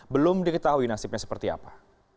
kita tahu nasibnya seperti apa